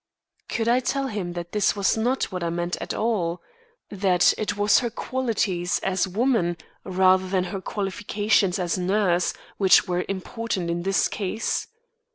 Could I tell him that this was not what I meant at all that it was her qualities as woman rather than her qualifications as nurse which were important in this case?